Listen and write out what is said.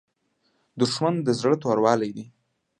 دښمن د زړه توروالی دی